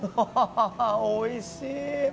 おいしい！